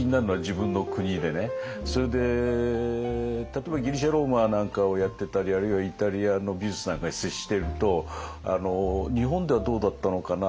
例えばギリシャ・ローマなんかをやってたりあるいはイタリアの美術なんかに接していると日本ではどうだったのかな？